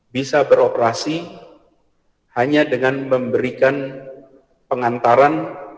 bisa beroperasi hanya dengan memberikan pengantaran